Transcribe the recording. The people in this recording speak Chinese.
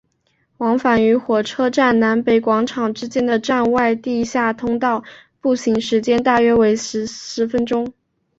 往返于火车站南北广场之间的站外地下通道步行时间大约为十分钟。